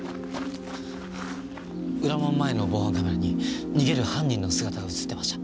裏門前の防犯カメラに逃げる犯人の姿が映ってました。